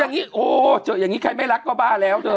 อย่างนี้โอ้เจออย่างนี้ใครไม่รักก็บ้าแล้วเธอ